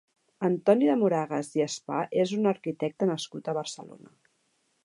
Antoni de Moragas i Spà és un arquitecte nascut a Barcelona.